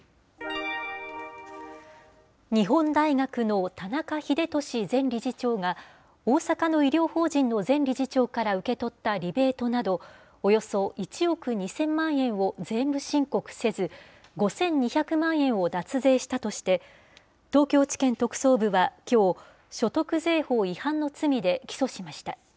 日本大学の田中英壽前理事長が、大阪の医療法人の前理事長から受け取ったリベートなど、およそ１億２０００万円を税務申告せず、５２００万円を脱税したとして、東京地検特捜部はきょう、所得税法違反の罪で起訴しました。